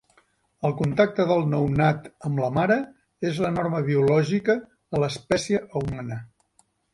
El contacte del nounat amb la mare és la norma biològica a l'espècie humana.